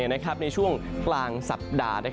ในช่วงกลางสัปดาห์